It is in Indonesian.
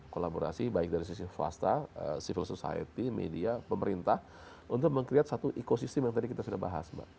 kolaborasi baik dari sisi swasta civil society media pemerintah untuk meng create satu ekosistem yang tadi kita sudah bahas mbak